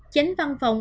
chánh văn phòng